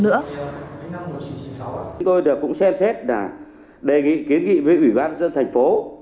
năm một nghìn chín trăm chín mươi sáu tôi đã cũng xem xét đề nghị kiến nghị với ủy ban dân thành phố